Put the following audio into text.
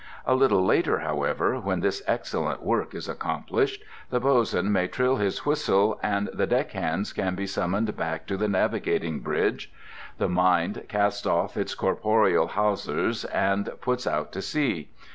A little later, however, when this excellent work is accomplished, the bosun may trill his whistle, and the deck hands can be summoned back to the navigating bridge. The mind casts off its corporeal hawsers and puts out to sea.